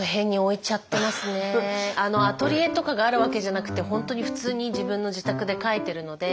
アトリエとかがあるわけじゃなくて本当に普通に自分の自宅で描いてるので。